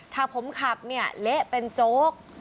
ถ้าผมขับเนี่ยเละเป็นโจ๊ก